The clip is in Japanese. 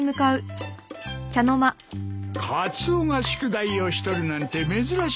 カツオが宿題をしとるなんて珍しいな。